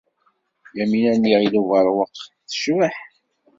Yamina n Yiɣil Ubeṛwaq tecbeḥ.